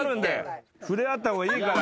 触れ合った方がいいから。